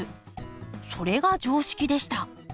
それが常識でした。